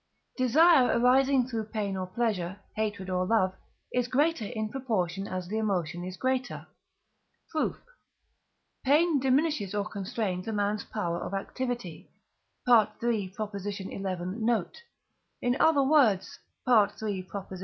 Desire arising through pain or pleasure, hatred or love, is greater in proportion as the emotion is greater. Proof. Pain diminishes or constrains a man's power of activity (III. xi. note), in other words (III.